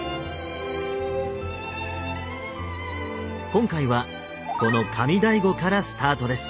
今回はこの上醍醐からスタートです。